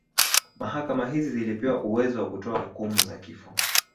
Mahakama hizi zilipewa uwezo wa kutoa hukumu za kifo